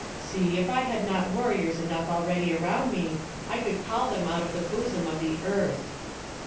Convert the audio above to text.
"See! if I had not warriors enough already round me, I could call them out of the bosom of the earth."